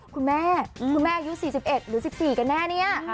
คุณแม่คุณแม่อายุ๔๑หรือ๑๔กันแน่เนี่ย